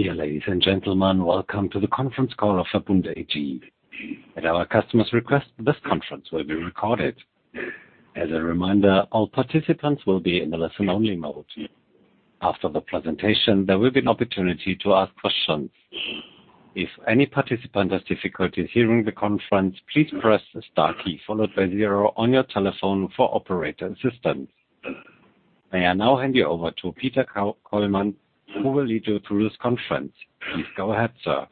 Dear ladies and gentlemen, welcome to the conference call of VERBUND AG. At our customers' request, this conference will be recorded. As a reminder, all participants will be in the listen-only mode. After the presentation, there will be an opportunity to ask questions. If any participant has difficulties hearing the conference, please press the star key followed by zero on your telephone for operator assistance. I will now hand you over to Peter Kollmann, who will lead you through this conference. Please go ahead, sir.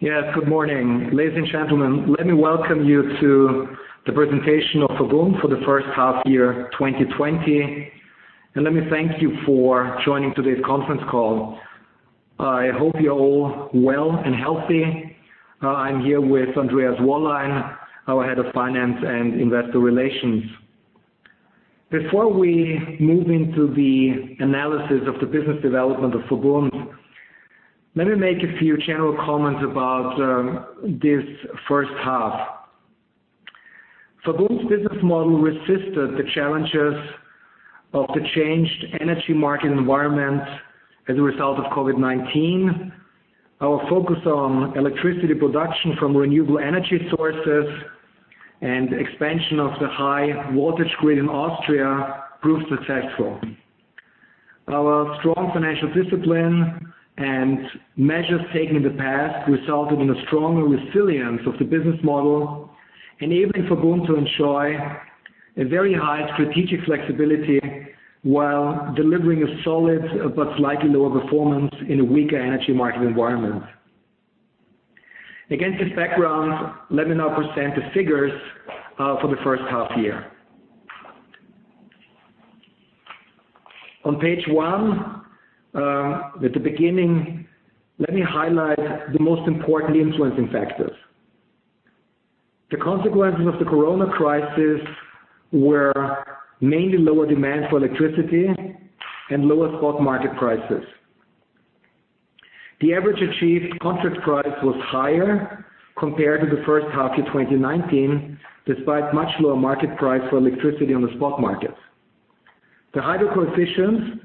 Yeah. Good morning. Ladies and gentlemen, let me welcome you to the presentation of VERBUND for the first half year 2020, and let me thank you for joining today's conference call. I hope you're all well and healthy. I'm here with Andreas Wollein, our Head of Finance and Investor Relations. Before we move into the analysis of the business development of VERBUND, let me make a few general comments about this first half. VERBUND's business model resisted the challenges of the changed energy market environment as a result of COVID-19. Our focus on electricity production from renewable energy sources and expansion of the high voltage grid in Austria proved successful. Our strong financial discipline and measures taken in the past resulted in a stronger resilience of the business model, enabling VERBUND to enjoy a very high strategic flexibility while delivering a solid but slightly lower performance in a weaker energy market environment. Against this background, let me now present the figures for the first half year. On page one, at the beginning, let me highlight the most important influencing factors. The consequences of the corona crisis were mainly lower demand for electricity and lower spot market prices. The average achieved contract price was higher compared to the first half year 2019, despite much lower market price for electricity on the spot markets. The hydro coefficients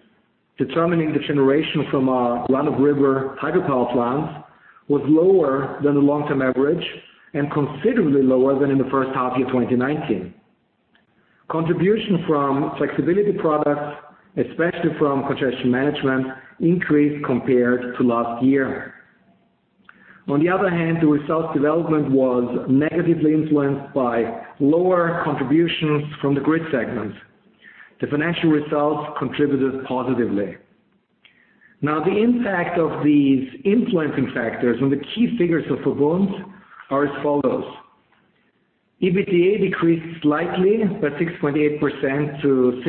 determining the generation from our run-of-river hydropower plants was lower than the long-term average and considerably lower than in the first half year 2019. Contribution from flexibility products, especially from congestion management, increased compared to last year. On the other hand, the results development was negatively influenced by lower contributions from the Grid segment. The financial results contributed positively. Now, the impact of these influencing factors on the key figures of VERBUND are as follows. EBITDA decreased slightly by 6.8% to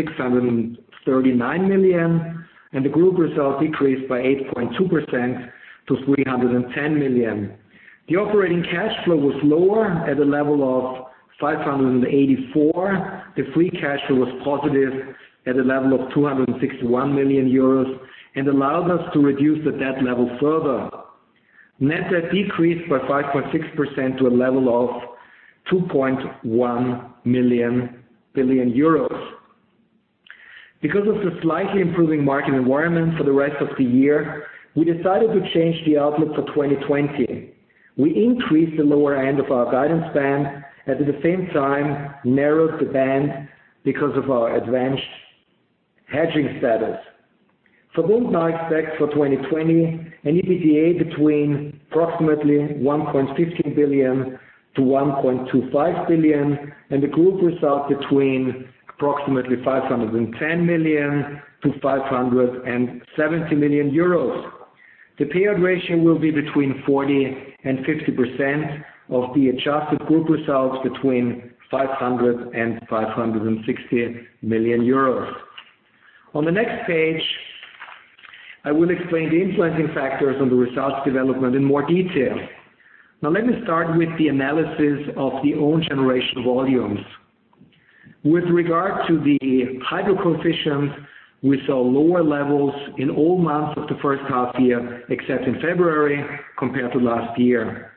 639 million, and the group results decreased by 8.2% to 310 million. The operating cash flow was lower at a level of 584 million. The free cash flow was positive at a level of 261 million euros and allowed us to reduce the debt level further. Net debt decreased by 5.6% to a level of 2.1 billion euros. Because of the slightly improving market environment for the rest of the year, we decided to change the outlook for 2020. We increased the lower end of our guidance band and at the same time narrowed the band because of our advanced hedging status. VERBUND now expects for 2020 an EBITDA between approximately 1.15 billion-1.25 billion and a group result between approximately 510 million-570 million euros. The payout ratio will be between 40% and 50% of the adjusted group results between 500 million euros and 560 million euros. On the next page, I will explain the influencing factors on the results development in more detail. Let me start with the analysis of the own generation volumes. With regard to the hydro coefficients, we saw lower levels in all months of the first half year, except in February, compared to last year.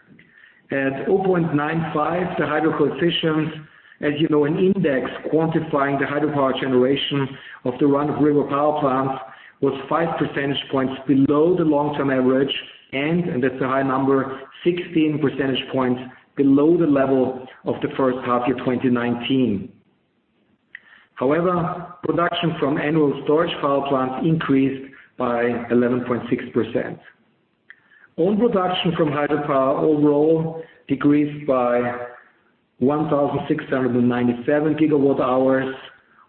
At 0.95, the hydro coefficients, as you know, an index quantifying the hydropower generation of the run-of-river power plants, was five percentage points below the long-term average, and that's a high number, 16 percentage points below the level of the first half year 2019. However, production from annual storage power plants increased by 11.6%. Own production from hydropower overall decreased by 1,697 GWh,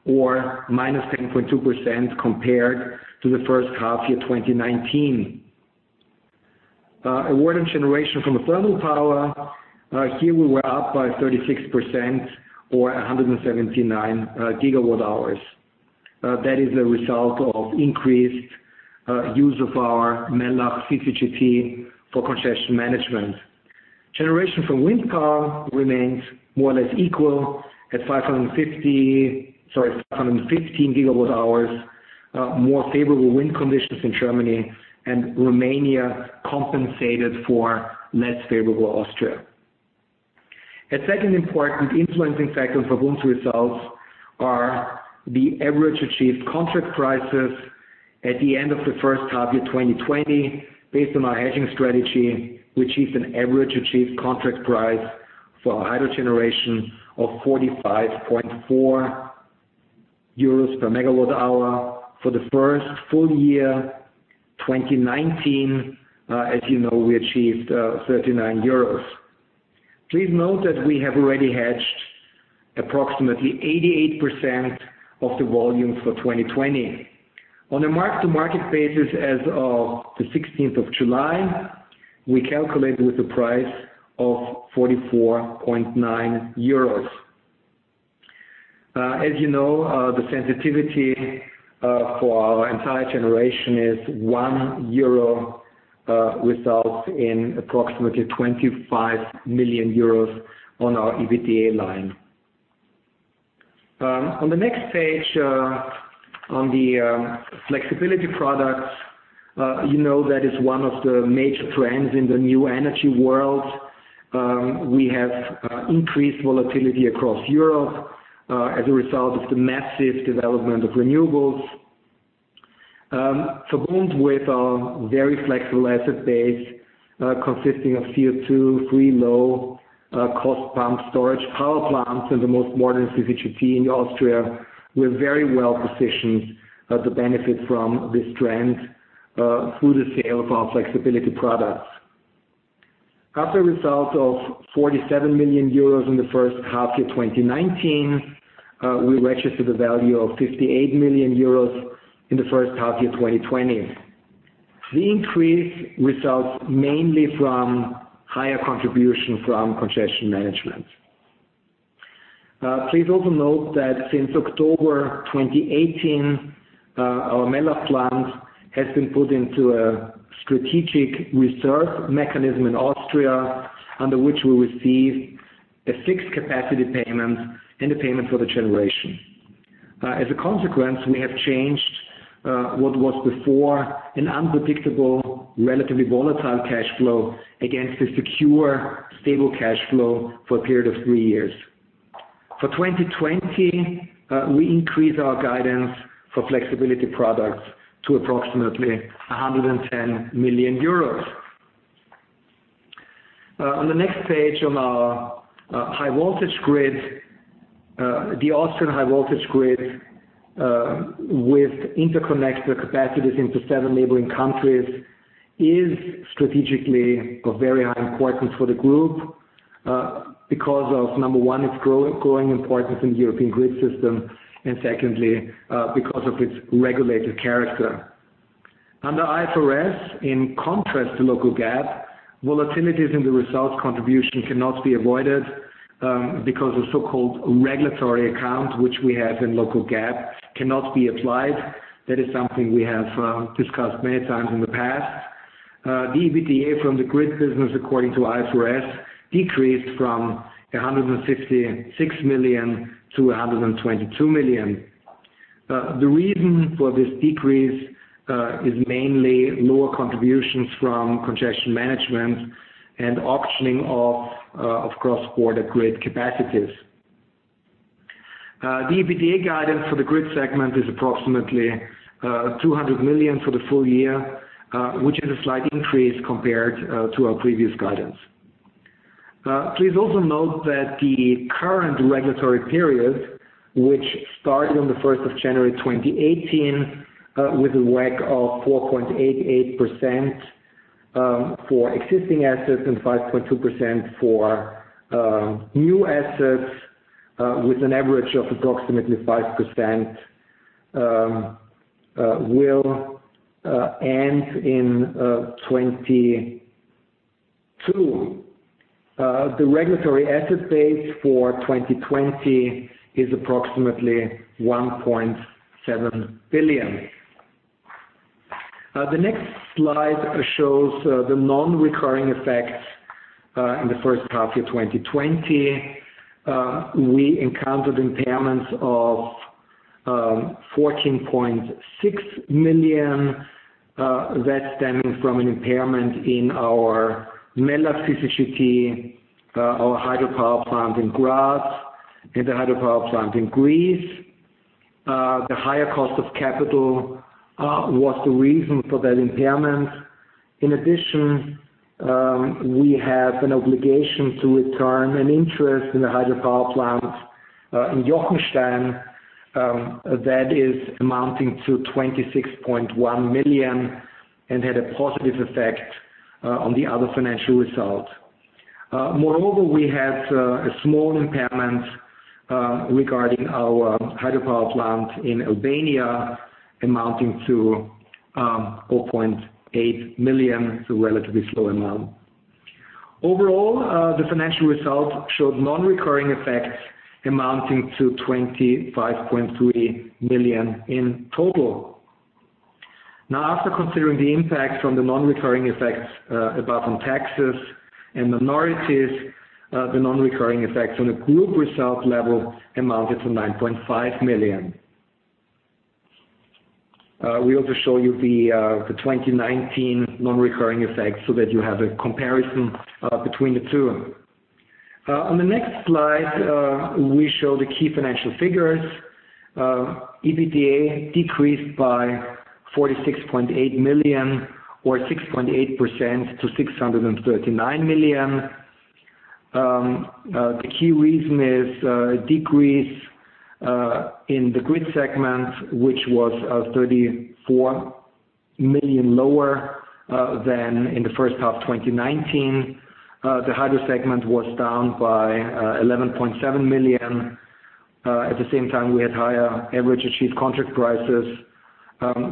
or -10.2% compared to the first half year 2019. Output and generation from the thermal power, here we were up by 36% or 179 GWh. That is a result of increased use of our Mellach CCGT for congestion management. Generation from wind power remains more or less equal at 515 GWh. More favorable wind conditions in Germany and Romania compensated for less favorable Austria. A second important influencing factor for VERBUND's results are the average achieved contract prices at the end of the first half year 2020. Based on our hedging strategy, we achieved an average achieved contract price for our hydro generation of 45.4 euros per megawatt hour. For the first full year 2019, as you know, we achieved 39 euros. Please note that we have already hedged approximately 88% of the volume for 2020. On a mark-to-market basis as of the 16th of July, we calculated with the price of 44.9 euros. As you know, the sensitivity for our entire generation is 1 euro results in approximately 25 million euros on our EBITDA line. On the next page, on the flexibility products, you know that is one of the major trends in the new energy world. We have increased volatility across Europe, as a result of the massive development of renewables. For VERBUND with our very flexible asset base, consisting of CO2-free, low cost pumped storage power plants and the most modern CCGT in Austria, we're very well positioned to benefit from this trend through the sale of our flexibility products. After results of 47 million euros in the first half year 2019, we registered a value of 58 million euros in the first half year 2020. The increase results mainly from higher contribution from congestion management. Please also note that since October 2018, our Mellach plant has been put into a strategic reserve mechanism in Austria, under which we receive a fixed capacity payment and a payment for the generation. As a consequence, we have changed what was before an unpredictable, relatively volatile cash flow against a secure, stable cash flow for a period of three years. For 2020, we increase our guidance for flexibility products to approximately EUR 110 million. On the next page on our high voltage grid, the Austrian high voltage grid, with interconnected capacities into seven neighboring countries, is strategically of very high importance for the group, because of number one, its growing importance in the European grid system, and secondly, because of its regulated character. Under IFRS, in contrast to local GAAP, volatilities in the results contribution cannot be avoided, because a so-called regulatory account, which we have in local GAAP, cannot be applied. That is something we have discussed many times in the past. The EBITDA from the grid business according to IFRS decreased from 156 million to 122 million. The reason for this decrease is mainly lower contributions from congestion management and auctioning of cross-border grid capacities. The EBITDA guidance for the Grid segment is approximately 200 million for the full year, which is a slight increase compared to our previous guidance. Please also note that the current regulatory period, which started on the 1st of January 2018 with a WACC of 4.88% for existing assets and 5.2% for new assets, with an average of approximately 5%, will end in 2022. The regulatory asset base for 2020 is approximately 1.7 billion. The next slide shows the non-recurring effects in the first half year 2020. We encountered impairments of 14.6 million. That stemming from an impairment in our Mellach CCGT, our hydropower plant in Graz and the hydropower plant in Gries. The higher cost of capital was the reason for that impairment. In addition, we have an obligation to return an interest in the hydropower plant in Jochenstein that is amounting to 26.1 million and had a positive effect on the other financial result. Moreover, we had a small impairment regarding our hydropower plant in Albania amounting to 0.8 million. It's a relatively small amount. Overall, the financial results showed non-recurring effects amounting to 25.3 million in total. After considering the impact from the non-recurring effects above on taxes and minorities, the non-recurring effects on a group result level amounted to 9.5 million. We also show you the 2019 non-recurring effects so that you have a comparison between the two. On the next slide, we show the key financial figures. EBITDA decreased by 46.8 million or 6.8% to 639 million. The key reason is a decrease in the Grid segment, which was 34 million lower than in the first half of 2019. The Hydro segment was down by 11.7 million. At the same time, we had higher average achieved contract prices,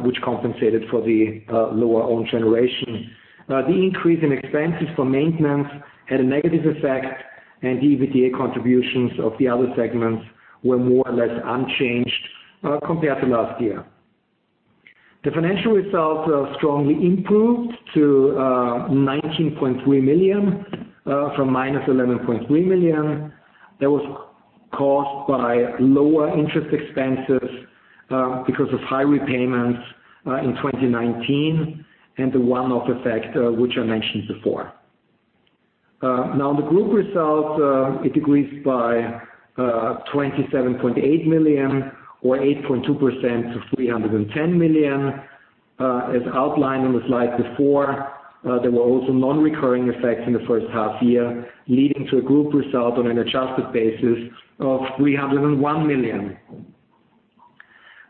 which compensated for the lower own generation. The increase in expenses for maintenance had a negative effect. EBITDA contributions of the other segments were more or less unchanged compared to last year. The financial results strongly improved to 19.3 million from -11.3 million. That was caused by lower interest expenses because of high repayments in 2019 and the one-off effect which I mentioned before. The group results, it decreased by 27.8 million or 8.2% to 310 million. As outlined in the slide before, there were also non-recurring effects in the first half year, leading to a group result on an adjusted basis of 301 million.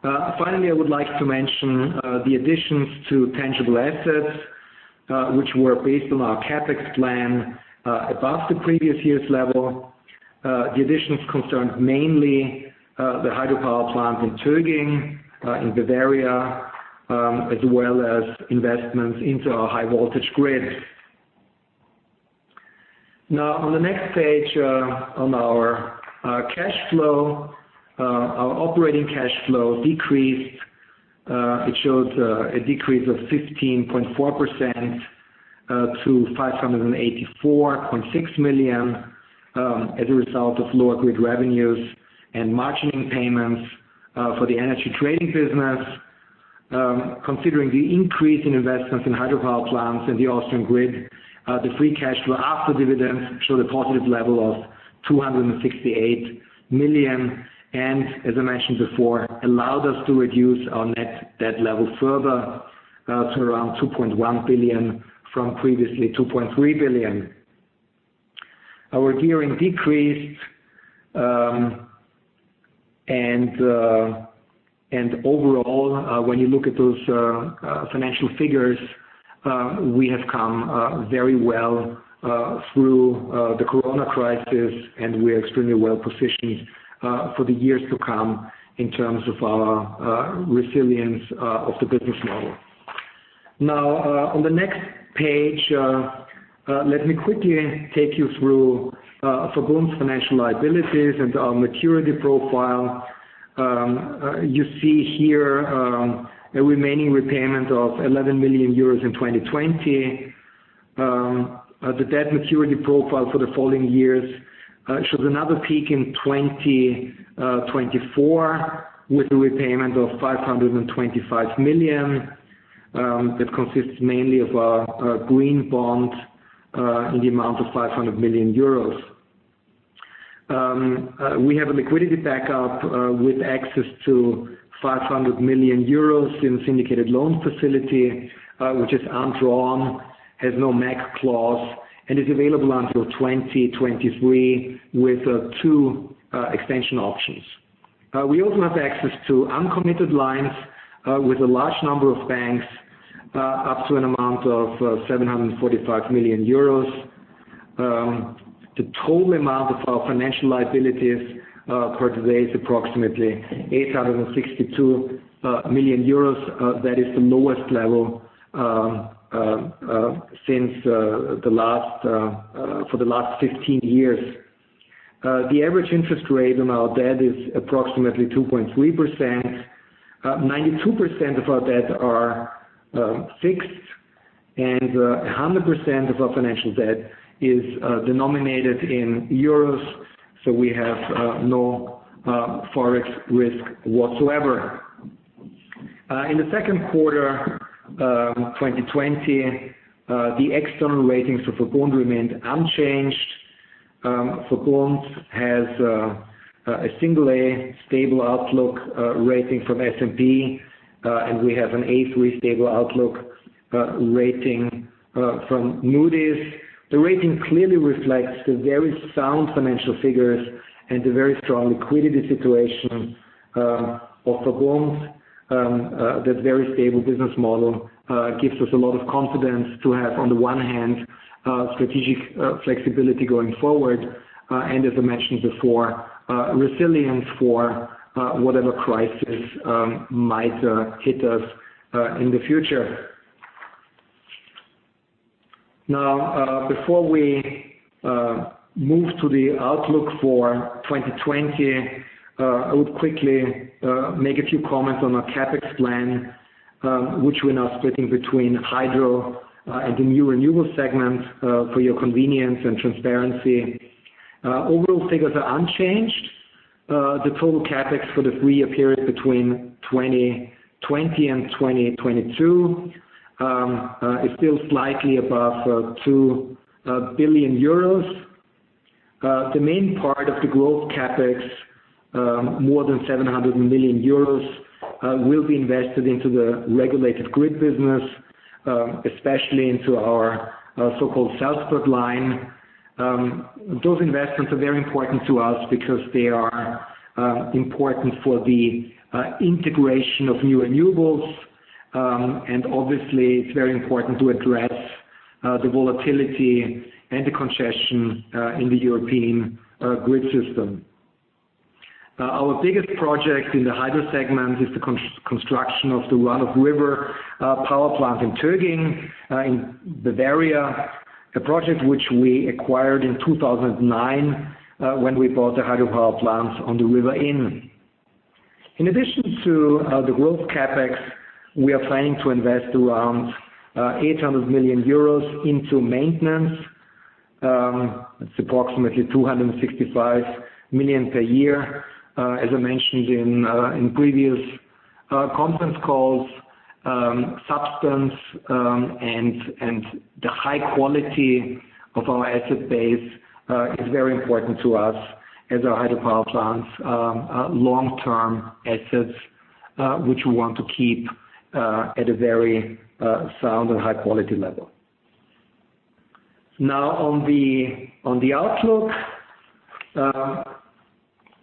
Finally, I would like to mention the additions to tangible assets, which were based on our CapEx plan above the previous year's level. The additions concerned mainly the hydropower plant in Töging, in Bavaria, as well as investments into our high voltage grid. On the next page on our cash flow, our operating cash flow decreased. It shows a decrease of 15.4% to 584.6 million as a result of lower grid revenues and margining payments for the energy trading business. Considering the increase in investments in hydropower plants and the Austrian grid, the free cash flow after dividends show the positive level of 268 million, and as I mentioned before, allowed us to reduce our net debt level further to around 2.1 billion from previously 2.3 billion. Our gearing decreased, and overall, when you look at those financial figures, we have come very well through the corona crisis, and we are extremely well positioned for the years to come in terms of our resilience of the business model. On the next page, let me quickly take you through VERBUND's financial liabilities and our maturity profile. You see here a remaining repayment of 11 million euros in 2020. The debt maturity profile for the following years shows another peak in 2024 with a repayment of 525 million. That consists mainly of our green bond in the amount of 500 million euros. We have a liquidity backup with access to 500 million euros in syndicated loan facility, which is undrawn, has no MAC clause, and is available until 2023 with two extension options. We also have access to uncommitted lines with a large number of banks, up to an amount of 745 million euros. The total amount of our financial liabilities per today is approximately 862 million euros. That is the lowest level for the last 15 years. The average interest rate on our debt is approximately 2.3%. 92% of our debt are fixed. 100% of our financial debt is denominated in EUR, so we have no forex risk whatsoever. In the second quarter 2020, the external ratings for VERBUND remained unchanged. VERBUND has a single A, stable outlook rating from S&P. We have an A3 stable outlook rating from Moody's. The rating clearly reflects the very sound financial figures and the very strong liquidity situation of VERBUND. That very stable business model gives us a lot of confidence to have, on the one hand, strategic flexibility going forward. As I mentioned before, resilience for whatever crisis might hit us in the future. Before we move to the outlook for 2020, I would quickly make a few comments on our CapEx plan, which we are now splitting between Hydro and the New Renewables segment for your convenience and transparency. Overall figures are unchanged. The total CapEx for the three-year period between 2020 and 2022 is still slightly above 2 billion euros. The main part of the growth CapEx, more than 700 million euros, will be invested into the regulated grid business, especially into our so-called Salzburg Line. Those investments are very important to us because they are important for the integration of New Renewables, and obviously it's very important to address the volatility and the congestion in the European grid system. Our biggest project in the Hydro segment is the construction of the run-of-river power plant in Töging, in Bavaria. A project which we acquired in 2009, when we bought the hydropower plant on the river Inn. In addition to the growth CapEx, we are planning to invest around 800 million euros into maintenance. It's approximately 265 million per year. As I mentioned in previous conference calls, substance and the high quality of our asset base is very important to us, as are hydropower plants. Long-term assets which we want to keep at a very sound and high-quality level. Now on the outlook.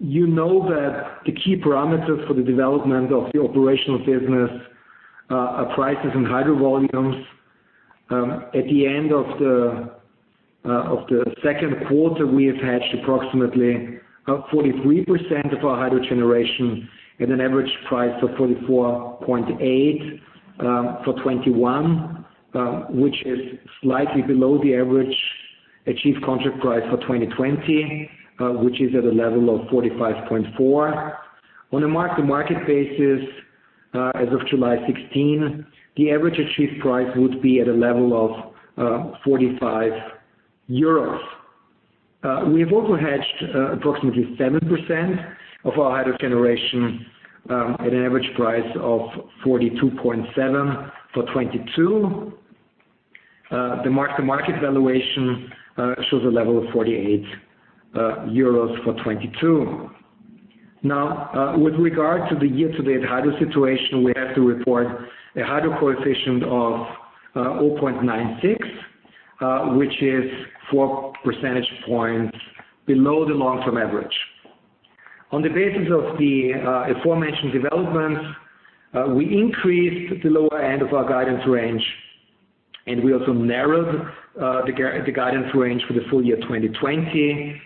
You know that the key parameters for the development of the operational business are prices and hydro volumes. At the end of the second quarter, we have hedged approximately 43% of our hydro generation at an average price of 44.8 for 2021, which is slightly below the average achieved contract price for 2020, which is at a level of 45.4. On a mark-to-market basis, as of July 16, the average achieved price would be at a level of 45 euros. We have also hedged approximately 7% of our hydro generation at an average price of 42.7 for 2022. The mark-to-market valuation shows a level of 48 euros for 2022. Now, with regard to the year-to-date hydro situation, we have to report a hydro coefficient of 0.96, which is four percentage points below the long-term average. On the basis of the aforementioned developments, we increased the lower end of our guidance range, and we also narrowed the guidance range for the full-year 2020.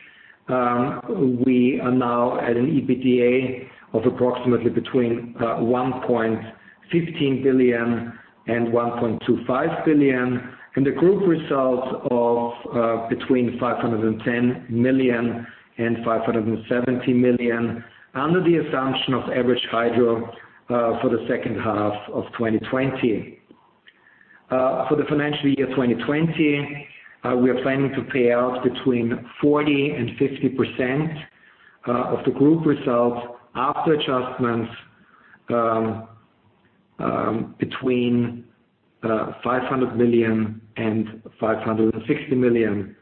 We are now at an EBITDA of approximately between 1.15 billion and 1.25 billion, and a group result of between 510 million and 570 million, under the assumption of average hydro for the second half of 2020. For the financial year 2020, we are planning to pay out between 40% and 50% of the group result after adjustments between 500 million and 560 million.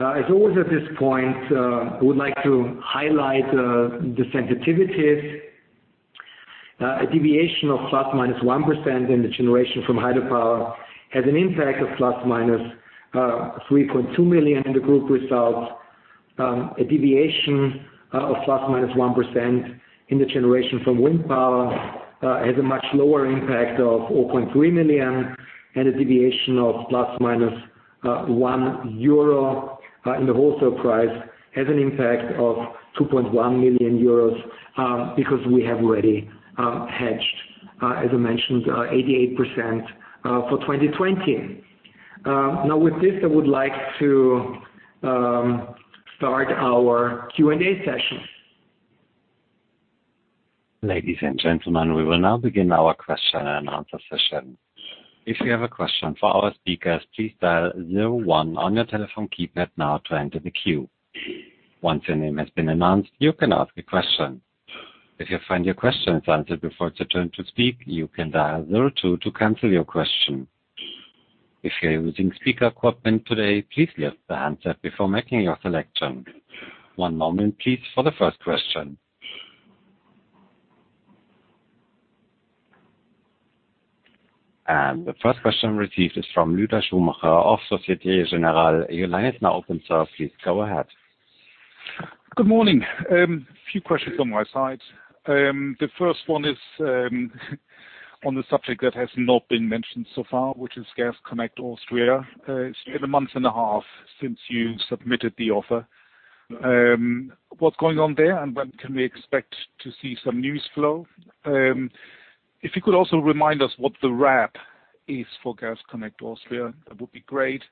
As always at this point, I would like to highlight the sensitivities. A deviation of ±1% in the generation from hydropower has an impact of ±3.2 million in the group result. A deviation of ±1% in the generation from wind power has a much lower impact of 4.3 million, and a deviation of ±1 euro in the wholesale price has an impact of 2.1 million euros, because we have already hedged, as I mentioned, 88% for 2020. Now with this, I would like to start our Q&A session. Ladies and gentlemen, we will now begin our question-and-answer session. If you have a question for our speakers, please dial zero one on your telephone keypad now to enter the queue. Once your name has been announced, you can ask a question. If you find your question has answered before it's your turn to speak, you can dial zero two to cancel your question. If you're using speaker equipment today, please lift the handset before making your selection. One moment, please, for the first question. The first question received is from Lueder Schumacher of Société Générale. Your line is now open, sir. Please go ahead. Good morning. A few questions on my side. The first one is on the subject that has not been mentioned so far, which is Gas Connect Austria. It's been a month and a half since you submitted the offer. What's going on there, and when can we expect to see some news flow? If you could also remind us what the RAB is for Gas Connect Austria, that would be great.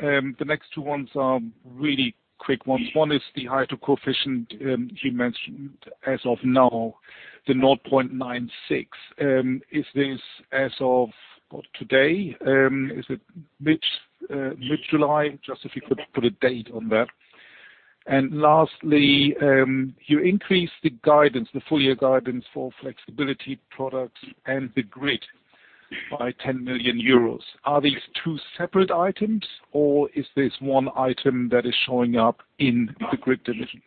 The next two ones are really quick ones. One is the hydro coefficient you mentioned as of now, the 0.96. Is this as of today? Is it mid-July? Just if you could put a date on that. Lastly, you increased the guidance, the full-year guidance for flexibility products and the grid by 10 million euros. Are these two separate items, or is this one item that is showing up in the Grid division?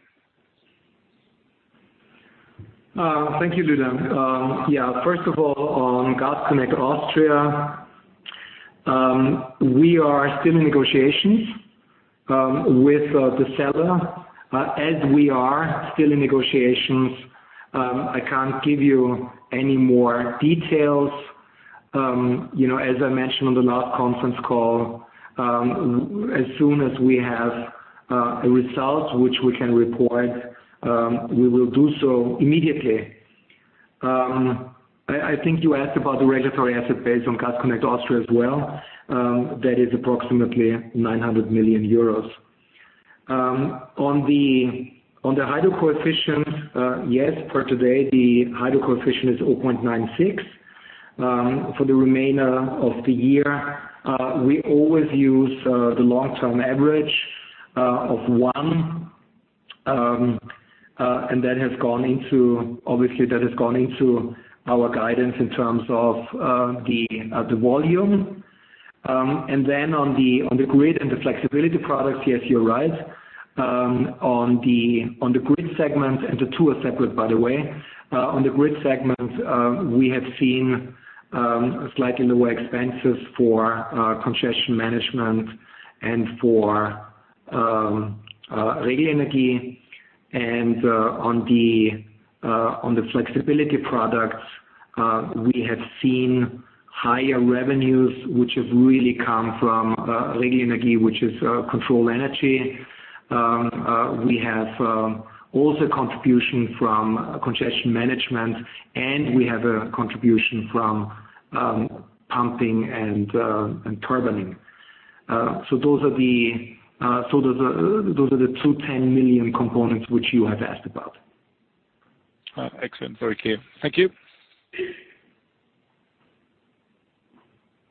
Thank you, Lueder. Yeah, first of all, on Gas Connect Austria, we are still in negotiations with the seller. As we are still in negotiations, I can't give you any more details. As I mentioned on the last conference call, as soon as we have a result which we can report, we will do so immediately. I think you asked about the Regulatory Asset Base on Gas Connect Austria as well. That is approximately 900 million euros. On the hydro coefficient, yes, per today, the hydro coefficient is 0.96. For the remainder of the year, we always use the long-term average of one, obviously that has gone into our guidance in terms of the volume. On the grid and the flexibility products, yes, you're right. On the Grid segment, and the two are separate by the way, on the Grid segment, we have seen slightly lower expenses for congestion management and for Regelenergie. On the flexibility products, we have seen higher revenues, which have really come from Regelenergie, which is our controlled energy. We have also contribution from congestion management, and we have a contribution from pumping and turbining. Those are the two 10 million components which you have asked about. Excellent. Very clear. Thank you.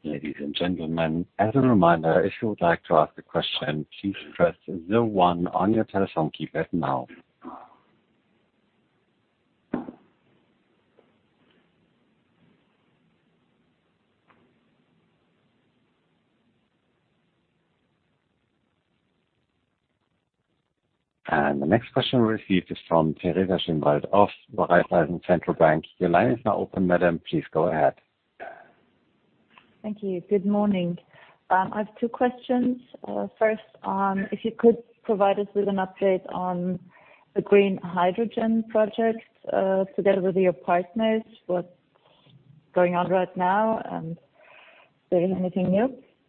Ladies and gentlemen, as a reminder, if you would like to ask a question, please press zero one on your telephone keypad now. The next question received is from Teresa Schinwald of Raiffeisen Centrobank. Your line is now open, madam. Please go ahead. Thank you. Good morning. I have two questions. First, if you could provide us with an update on the green hydrogen project together with your partners, what's going on right now, and is there anything new?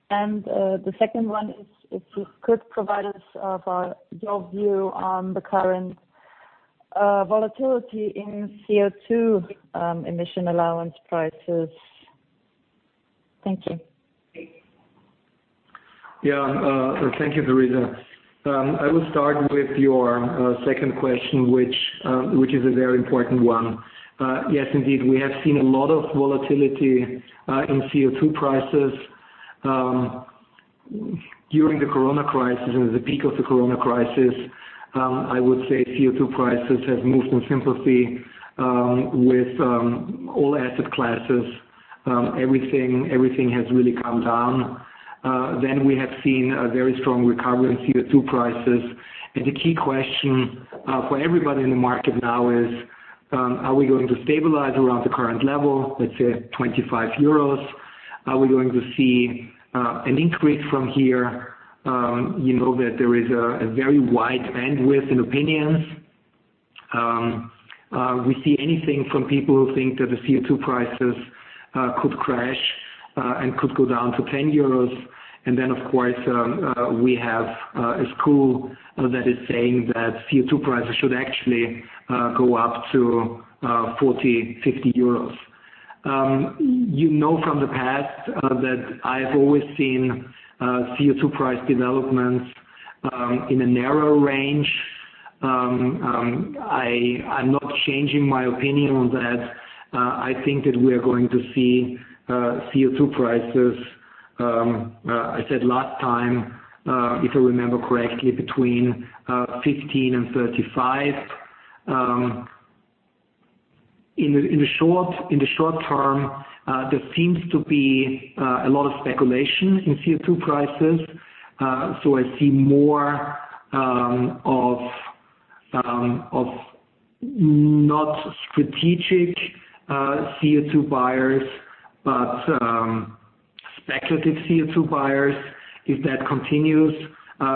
The second one is, if you could provide us your view on the current volatility in CO2 emission allowance prices. Thank you. Yeah. Thank you, Teresa. I will start with your second question, which is a very important one. Yes, indeed. We have seen a lot of volatility in CO2 prices. During the corona crisis and the peak of the corona crisis, I would say CO2 prices have moved in sympathy with all asset classes. Everything has really come down. We have seen a very strong recovery in CO2 prices. The key question for everybody in the market now is, are we going to stabilize around the current level, let's say at 25 euros? Are we going to see an increase from here? You know that there is a very wide bandwidth in opinions. We see anything from people who think that the CO2 prices could crash and could go down to 10 euros. Of course, we have a school that is saying that CO2 prices should actually go up to 40, 50 euros. You know from the past that I've always seen CO2 price developments in a narrow range. I'm not changing my opinion on that. I think that we are going to see CO2 prices, I said last time, if I remember correctly, between 15 and 35. In the short term, there seems to be a lot of speculation in CO2 prices. I see more of not strategic CO2 buyers, but speculative CO2 buyers. If that continues,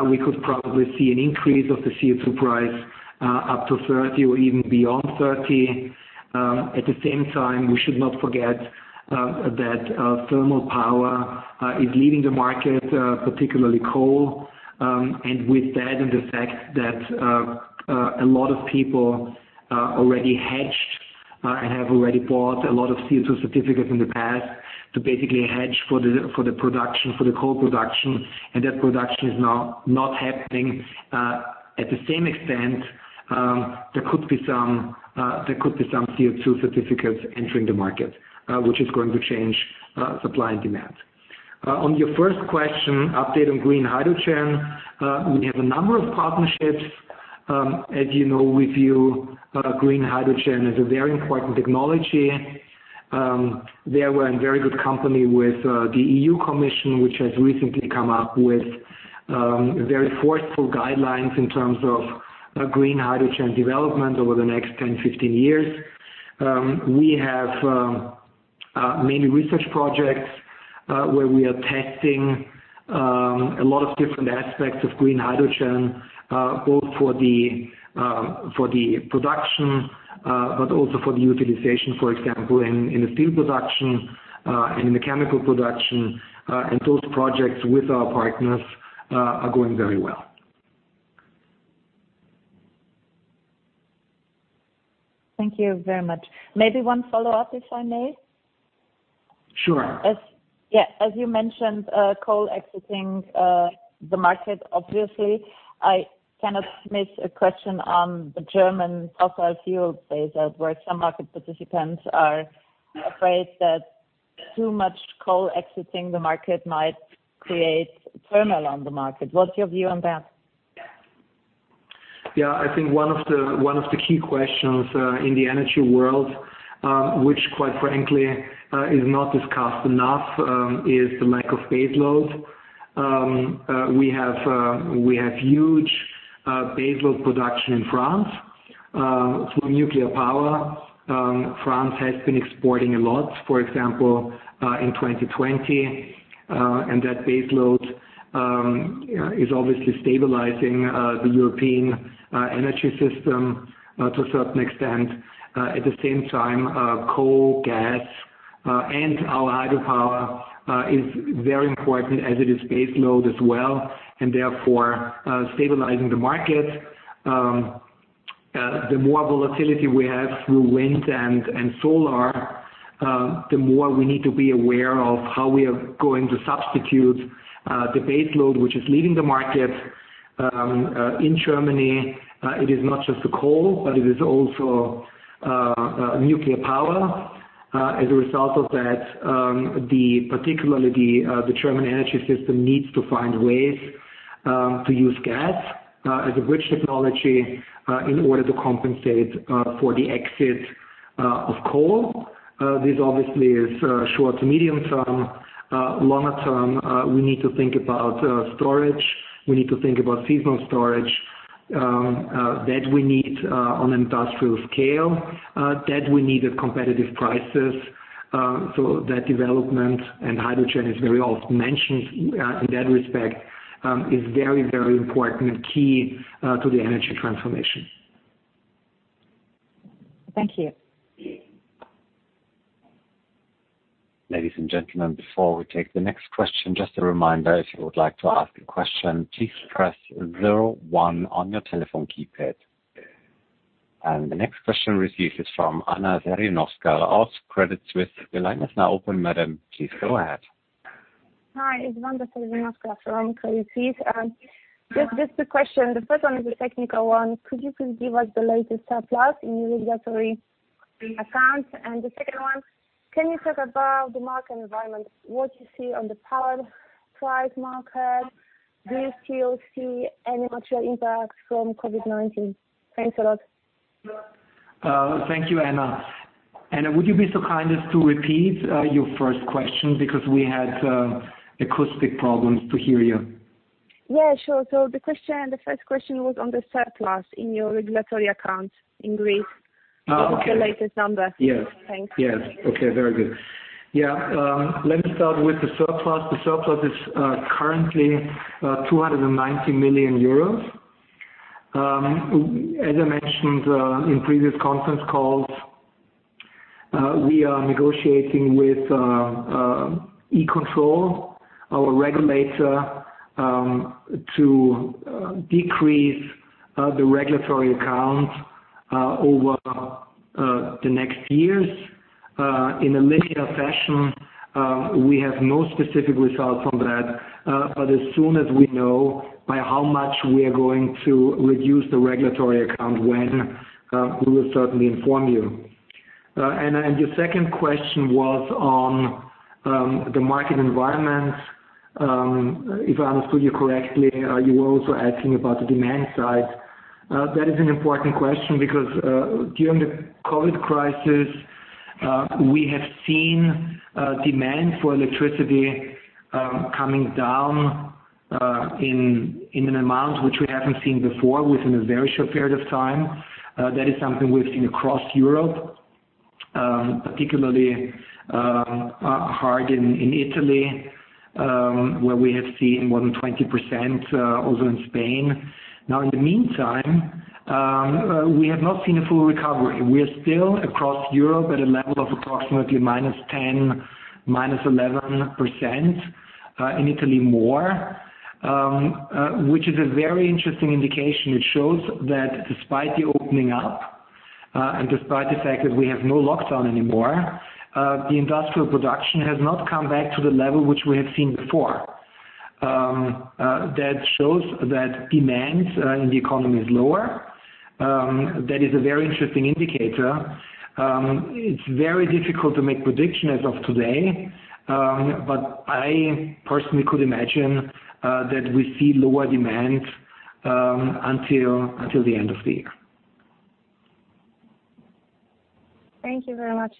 we could probably see an increase of the CO2 price up to 30 or even beyond 30. At the same time, we should not forget that thermal power is leaving the market, particularly coal. With that and the fact that a lot of people already hedged and have already bought a lot of CO2 certificates in the past to basically hedge for the coal production, and that production is now not happening at the same extent, there could be some CO2 certificates entering the market, which is going to change supply and demand. On your first question, update on green hydrogen. We have a number of partnerships. As you know, we view green hydrogen as a very important technology. There, we're in very good company with the EU Commission, which has recently come up with very forceful guidelines in terms of green hydrogen development over the next 10, 15 years. We have many research projects where we are testing a lot of different aspects of green hydrogen, both for the production, but also for the utilization, for example, in the steel production and in the chemical production. Those projects with our partners are going very well. Thank you very much. Maybe one follow-up, if I may? Sure. As you mentioned, coal exiting the market, obviously, I cannot miss a question on the German fossil fuel phase-out, where some market participants are afraid that too much coal exiting the market might create turmoil on the market. What's your view on that? I think one of the key questions in the energy world, which quite frankly is not discussed enough, is the lack of baseload. We have huge baseload production in France from nuclear power. France has been exporting a lot, for example, in 2020. That baseload is obviously stabilizing the European energy system to a certain extent. At the same time, coal, gas, and our hydropower is very important as it is baseload as well, and therefore, stabilizing the market. The more volatility we have through wind and solar, the more we need to be aware of how we are going to substitute the baseload, which is leaving the market. In Germany, it is not just the coal, but it is also nuclear power. As a result of that, particularly the German energy system needs to find ways to use gas as a bridge technology in order to compensate for the exit of coal. This obviously is short to medium term. Longer term, we need to think about storage. We need to think about seasonal storage. That we need on an industrial scale, that we need at competitive prices. That development, and hydrogen is very often mentioned in that respect, is very, very important and key to the energy transformation. Thank you. Ladies and gentlemen, before we take the next question, just a reminder, if you would like to ask a question, please press zero one on your telephone keypad. The next question received is from Wanda Serwinowska of Credit Suisse. The line is now open, madam. Please go ahead. Hi, it's Wanda Serwinowska from Credit Suisse. Just two questions. The first one is a technical one. Could you please give us the latest surplus in your regulatory accounts? The second one, can you talk about the market environment, what you see on the power price market? Do you still see any material impact from COVID-19? Thanks a lot. Thank you, Wanda. Wanda, would you be so kind as to repeat your first question, because we had acoustic problems to hear you? Yeah, sure. The first question was on the surplus in your regulatory accounts in grid. Oh, okay. What is the latest number? Yes. Thanks. Yes. Okay, very good. Yeah. Let me start with the surplus. The surplus is currently 290 million euros. As I mentioned in previous conference calls, we are negotiating with E-Control, our regulator, to decrease the regulatory accounts over the next years in a linear fashion. We have no specific results on that. As soon as we know by how much we are going to reduce the regulatory account when, we will certainly inform you. Wanda, your second question was on the market environment. If I understood you correctly, you were also asking about the demand side. That is an important question because during the COVID crisis, we have seen demand for electricity coming down in an amount which we haven't seen before within a very short period of time. That is something we've seen across Europe, particularly hard in Italy, where we have seen more than 20%, also in Spain. Now, in the meantime, we have not seen a full recovery. We are still across Europe at a level of approximately -10%, -11%, in Italy more, which is a very interesting indication, which shows that despite the opening up and despite the fact that we have no lockdown anymore, the industrial production has not come back to the level which we have seen before. That shows that demand in the economy is lower. That is a very interesting indicator. It's very difficult to make prediction as of today, but I personally could imagine that we see lower demand until the end of the year. Thank you very much.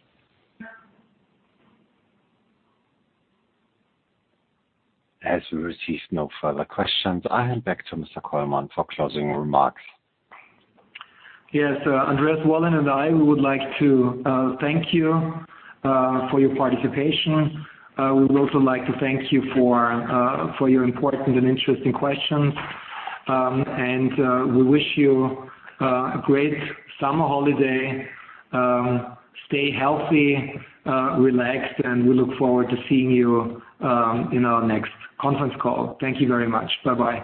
As we received no further questions, I hand back to Mr. Kollmann for closing remarks. Yes. Andreas Wollein and I, we would like to thank you for your participation. We would also like to thank you for your important and interesting questions. We wish you a great summer holiday. Stay healthy, relaxed, and we look forward to seeing you in our next conference call. Thank you very much. Bye-bye.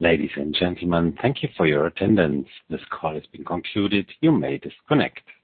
Ladies and gentlemen, thank you for your attendance. This call has been concluded. You may disconnect.